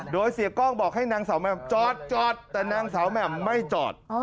โดยเสียกล้องบอกให้นางสาวแหม่มจอดแต่นางสาวแหม่มไม่จอด